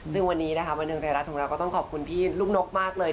ซึ่งวันนี้นะคะบันทึงไทยรัฐของเราก็ต้องขอบคุณพี่ลูกนกมากเลย